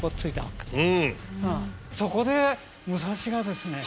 そこで武蔵がですね